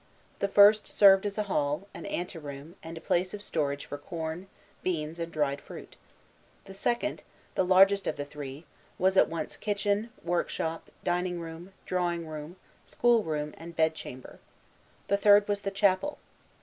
The first served as a hall, an anteroom, and a place of storage for corn, beans, and dried fish. The second the largest of the three was at once kitchen, workshop, dining room, drawing room, school room, and bed chamber. The third was the chapel.